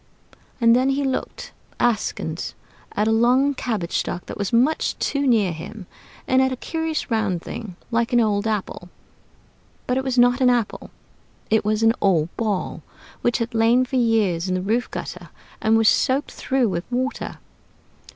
And then he looked askance at a long cabbage stalk that was much too near him, and at a curious round thing like an old apple; but it was not an apple it was an old Ball, which had lain for years in the roof gutter and was soaked through with water.